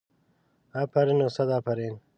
افرین و صد افرین.